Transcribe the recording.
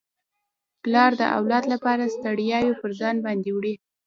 پلار د اولاد لپاره ستړياوي پر ځان باندي وړي.